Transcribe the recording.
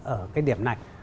ở cái điểm này